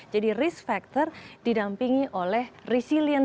jadi risk factor didampingi oleh resilience